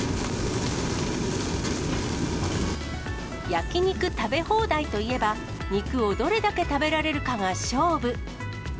焼き肉食べ放題といえば、肉をどれだけ食べられるかが勝負。